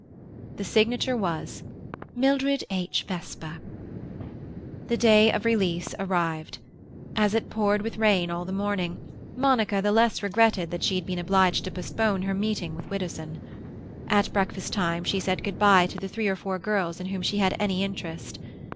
The signature was "Mildred H. Vesper." The day of release arrived. As it poured with rain all the morning, Monica the less regretted that she had been obliged to postpone her meeting with Widdowson. At breakfast time she said good bye to the three or four girls in whom she had any interest.